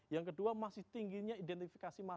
yang kedua masih tingginya identifikasi masalah